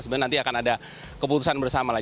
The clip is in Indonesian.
sebenarnya nanti akan ada keputusan bersama lah